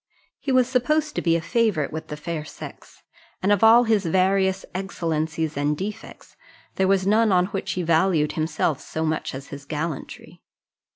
He was supposed to be a favourite with the fair sex; and of all his various excellencies and defects, there was none on which he valued himself so much as on his gallantry.